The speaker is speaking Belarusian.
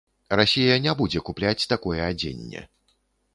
Расія не будзе купляць такое адзенне.